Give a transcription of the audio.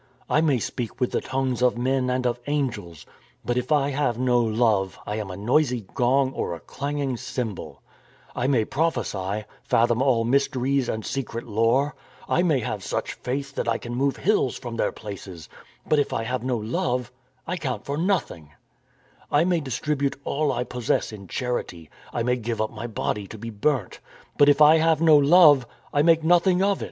I may speak with the tongues of men and of angels, but if I have no love, I am a noisy gong or a clanging cymbal; I may prophesy, fathom all mysteries and secret lore, I may have such faith that I can move hills from their places, but if I have no love, I count for nothing; I may distribute all I possess in charity, I may give up my body to be burnt, but if I have no love, I make nothing of it.